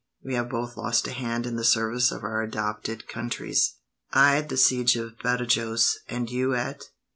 We have both lost a hand in the service of our adopted countries; I at the siege of Badajos, and you at